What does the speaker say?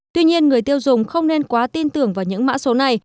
tuy nhiên người tiêu dùng không nên quá tin tưởng vào những mã số này